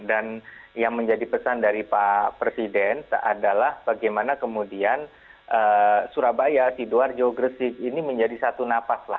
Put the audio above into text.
dan yang menjadi pesan dari pak presiden adalah bagaimana kemudian surabaya sidoar jogresik ini menjadi satu napas